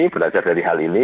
belajar dari hal ini